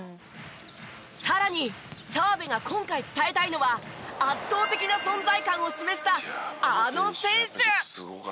さらに澤部が今回伝えたいのは圧倒的な存在感を示したあの選手！